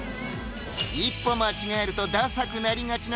一歩間違えるとダサくなりがちな